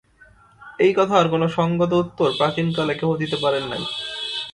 এই কথার কোন সঙ্গত উত্তর প্রাচীনকালে কেহ দিতে পারেন নাই।